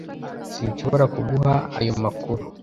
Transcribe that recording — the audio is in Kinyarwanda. Sinshobora kuguha ayo makuru.